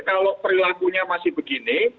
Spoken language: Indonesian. kalau perilakunya masih begini